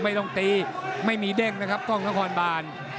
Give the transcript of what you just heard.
ไม่ต้องตีไม่มีเด้งนะครับกล้องนครบาน